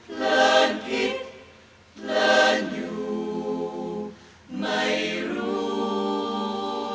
เผลินคิดเผลินอยู่ไม่รู้